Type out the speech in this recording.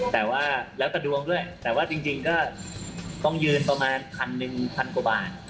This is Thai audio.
แล้วแต่ดวงด้วยแต่ว่าจริงก็ต้องยืนประมาณ๑๐๐๐บาท